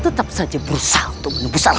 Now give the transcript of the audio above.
tetap saja berusaha untuk menembuskan